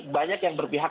banyak yang berpihak